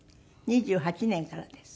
２８年からです。